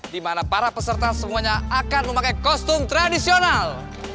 di mana para peserta semuanya akan memakai kostum tradisional